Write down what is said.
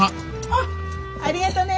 あっありがとね。